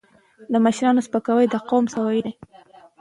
د مشرانو سپکاوی د قوم سپکاوی دی.